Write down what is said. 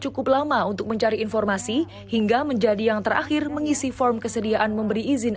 cukup lama untuk mencari informasi hingga menjadi yang terakhir mengisi form kesediaan memberi izin